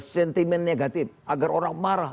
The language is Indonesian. sentimen negatif agar orang marah